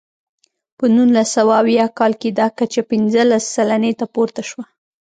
په نولس سوه اویا کال کې دا کچه پنځلس سلنې ته پورته شوه.